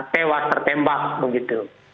tewas tertembak begitu